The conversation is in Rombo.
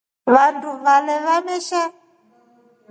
Vandu vale vamesha.